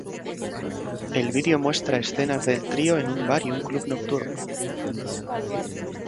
El vídeo muestra escenas del trío en un bar y un club nocturno.